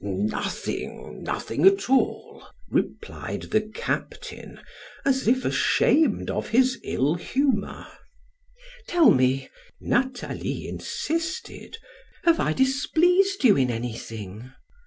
"Nothing nothing at all!" replied the captain, as if ashamed of his ill humor. "Tell me," Nathalie insisted, "have I displeased you in anything?"